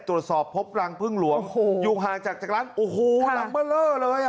ตรวจสอบพบรังพึ่งหลวงยุงห่างจากจักรังโอ้โหหลังเบลอเลย